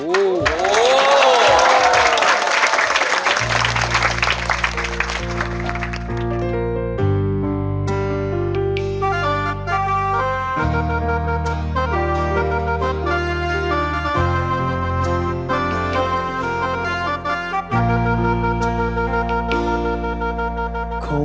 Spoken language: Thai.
โอ้โห